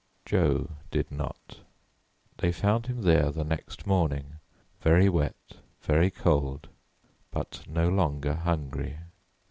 Jo did not. They found him there the next morning, very wet, very cold, but no longer hungry.